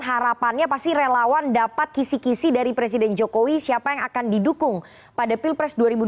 harapannya pasti relawan dapat kisi kisi dari presiden jokowi siapa yang akan didukung pada pilpres dua ribu dua puluh